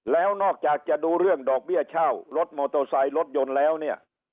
แล้วนอกจากจะดูเรื่องดอกเบี้ยเช่ารถมอเตอร์ไซค์รถยนต์แล้วเนี่ย